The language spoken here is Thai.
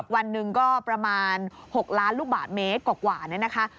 วันหนึ่งก็ประมาณ๖ล้านลูกบาทเมตรกว่ากว่า